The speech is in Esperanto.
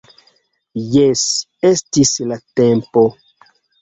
Jes, estis la tempo!